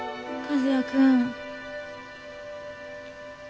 和也君。